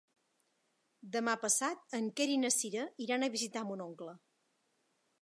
Demà passat en Quer i na Cira iran a visitar mon oncle.